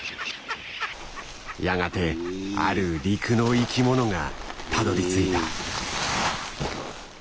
やがてある陸の生きものがたどりついた。